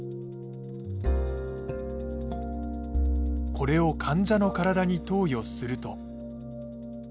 これを患者の体に投与すると。